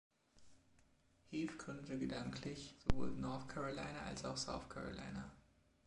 Heath gründete gedanklich sowohl North Carolina als auch South Carolina.